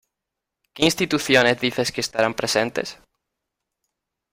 ¿Qué instituciones dices que estarán presentes?